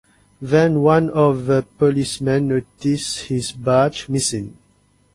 Then one of the policemen noticed his badge missing.